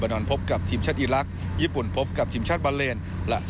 ทุกคนเล่นเกินร้อยและเล่นด้วยความทุ่มเทเชื่อมั่น